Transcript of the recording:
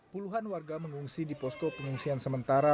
puluhan warga mengungsi di posko pengungsian sementara